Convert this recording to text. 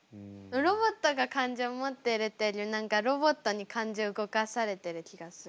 ロボットが感情を持ってるっていうよりは何かロボットに感情を動かされてる気がする。